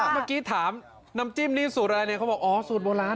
เมื่อกี้ถามน้ำจิ้มนี่สูตรอะไรเนี่ยเขาบอกอ๋อสูตรโบราณ